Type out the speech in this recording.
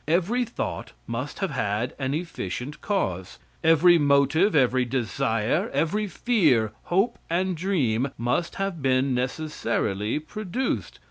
Every thought must have had an efficient cause. Every motive, every desire, every fear, hope and dream must have been necessarily produced.